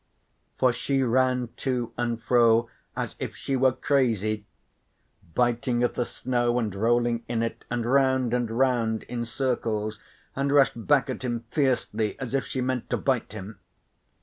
For she ran to and fro as if she were crazy, biting at the snow and rolling in it, and round and round in circles and rushed back at him fiercely as if she meant to bite him.